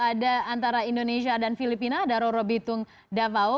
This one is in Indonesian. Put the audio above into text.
ada antara indonesia dan filipina ada roro bitung davao